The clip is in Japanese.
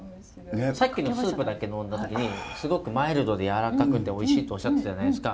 さっきのスープだけ飲んだ時にすごくマイルドで柔らかくておいしいとおっしゃったじゃないですか。